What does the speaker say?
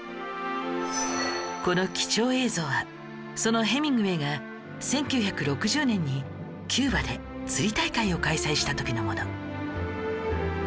この貴重映像はそのヘミングウェイが１９６０年にキューバで釣り大会を開催した時のもの